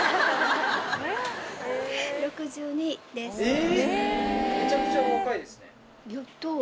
え！